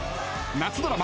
夏ドラマ